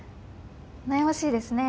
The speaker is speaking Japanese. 悩ましいですね。